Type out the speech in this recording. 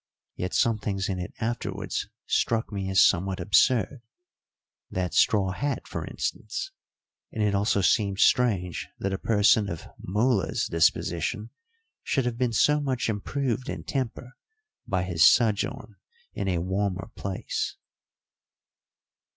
Yet some things in it afterwards struck me as somewhat absurd; that straw hat, for instance, and it also seemed strange that a person of Mula's disposition should have been so much improved in temper by his sojourn in a warmer place.